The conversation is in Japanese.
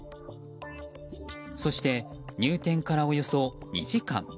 そして入店からおよそ２時間。